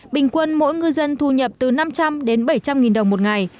bình quân mỗi ngư dân thu nhập từ năm trăm linh đến bảy trăm linh nghìn đồng một ngày